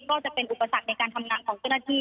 ก็จะเป็นอุปสรรคในการทำงานของเจ้าหน้าที่